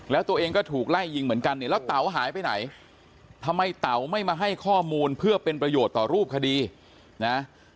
แล้วตัวเองก็ถูกไล่ยิงเหมือนกันเนี่ยแล้วเต๋าหายไปไหนทำไมเต๋าไม่มาให้ข้อมูลเพื่อเป็นประโยชน์ต่อรูปคดีนะ